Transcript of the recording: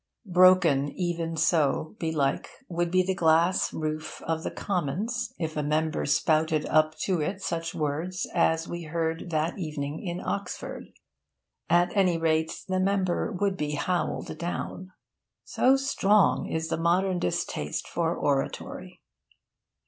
Broken even so, belike, would be the glass roof of the Commons if a member spouted up to it such words as we heard that evening in Oxford. At any rate, the member would be howled down. So strong is the modern distaste for oratory.